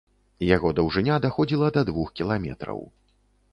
Яго даўжыня даходзіла да двух кіламетраў.